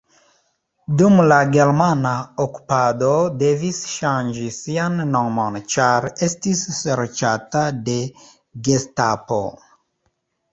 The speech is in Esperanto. Dum la germana okupado devis ŝanĝi sian nomon ĉar estis serĉata de gestapo.